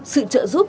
sự trợ giúp